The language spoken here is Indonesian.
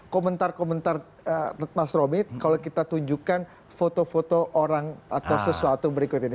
komentar komentar mas romi kalau kita tunjukkan foto foto orang atau sesuatu berikut ini